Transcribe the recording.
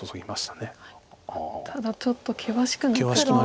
ただちょっと険しくなってきましたよ。